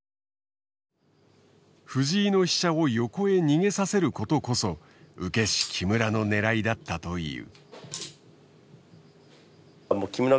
藤井の飛車を横へ逃げさせることこそ受け師木村の狙いだったという。